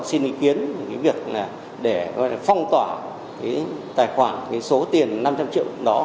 xin ý kiến về cái việc là để gọi là phong tỏa cái tài khoản cái số tiền năm trăm linh triệu đó